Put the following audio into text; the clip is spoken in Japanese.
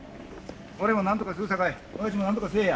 俺もなんとかするさかいおやじもなんとかせえや。